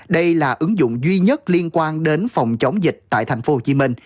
đây là ứng dụng duy nhất liên quan đến phòng chống dịch tại tp hcm